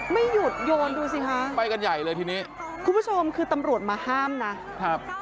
ไม่หยุดโยนดูสิคะไปกันใหญ่เลยทีนี้คุณผู้ชมคือตำรวจมาห้ามนะครับ